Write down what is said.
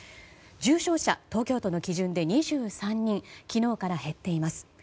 重症者、東京都の基準で２３人昨日から減っています。